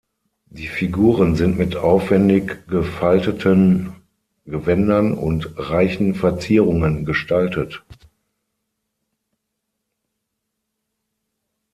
Die Figuren sind mit aufwendig gefalteten Gewändern und reichen Verzierungen gestaltet.